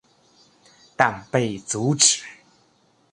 但被阻止。